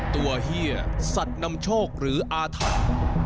ตัวเหี้ยสัตว์นำโชคหรืออาถัน